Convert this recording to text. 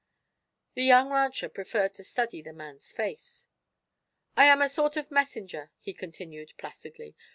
The young rancher preferred to study the man's face. "I am a sort of messenger," he continued, placidly.